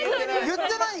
言ってない？